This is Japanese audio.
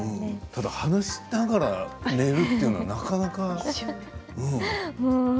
ただ話しながら寝るというのは、なかなか。